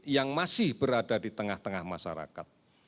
yang masih berada di tengah tengah masyarakat